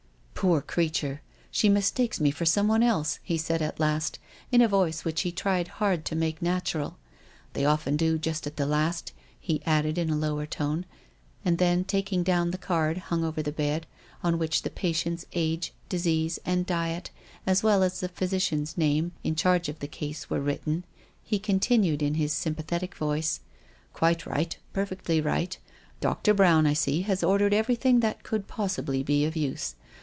"Poor creature*! She mistakes me for someone else," he said at last, in a voice which he tried hard to make natural. " They often do, just at the last," he added in a lower tone. And then, taking down the card hung over the bed, on which the patient's age, dis ease, and diet, as well as the physician's name in charge of the case were written, he con. tinued in his sympathetic voice :" Quite right ; perfectly right. Dr. Brown, I see, has ordered everything that could pos sibly be of use.